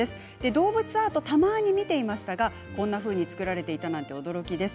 動物アート、たまに見ていましたが、こんなふうに作られていたなんて驚きです。